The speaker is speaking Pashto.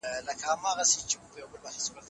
تيرو پيړیو د سياليو غوندي دی. له بده مرغه، د پښتو